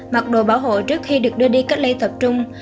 mặc đồ bảo hộ trước khi được đưa đi cách ly tập trung